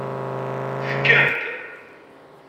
Tekkant.